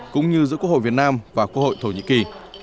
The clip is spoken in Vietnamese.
cũng như giữa quốc hội việt nam và quốc hội thổ nhĩ kỳ